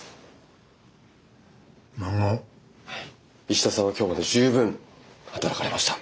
石田さんは今日まで十分働かれました。